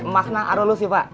makna arulus sih pak